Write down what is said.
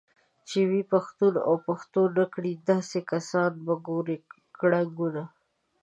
چې وي پښتون اوپښتونكړي داسې كسانوته به ګورې كړنګونه